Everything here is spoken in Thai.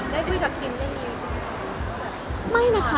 ได้คุยกับคินได้มีคุณรู้สึกแบบ